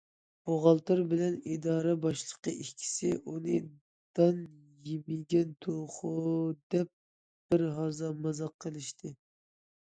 بوغالتىر بىلەن ئىدارە باشلىقى ئىككىسى ئۇنى‹‹ دان يېمىگەن توخۇ...›› دەپ بىرھازا مازاق قىلىشتى.